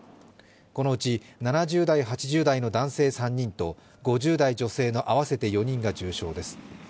このうち７０代、８０代の男性３人と５０代女性の合わせて４人が重症です。